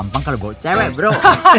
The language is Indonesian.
gampang kalau bawa cewek bro